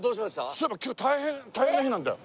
そういえば今日大変な日なんだよ。